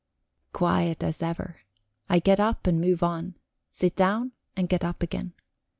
Quiet as ever. I get up and move on, sit down and get up again.